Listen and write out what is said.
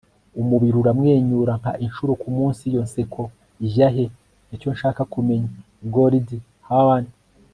umubiri uramwenyura, nka, inshuro kumunsi. iyo nseko ijya he? nicyo nshaka kumenya. - goldie hawn